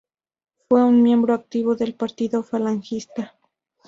Fue un miembro activo del Partido Falangista.